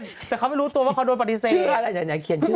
ทุกคนเขาเป็นแต่เขาไม่รู้ตัวว่าเขาโดนปฏิเสธ